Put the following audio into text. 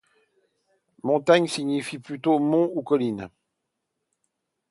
Montagne signifie plutôt Mont ou Colline.